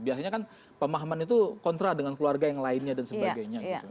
biasanya kan pemahaman itu kontra dengan keluarga yang lainnya dan sebagainya gitu